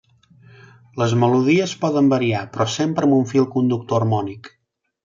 Les melodies poden variar, però sempre amb un fil conductor harmònic.